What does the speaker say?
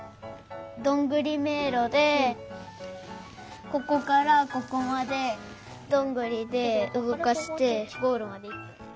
どんぐりめいろでここからここまでどんぐりでうごかしてゴールまでいく。